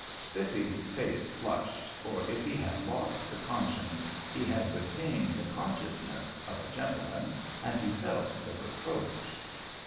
Spiffy's face flushed, for if he had lost the conscience, he still retained the consciousness, of a gentleman, and he felt the reproach.